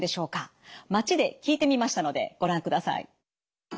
街で聞いてみましたのでご覧ください。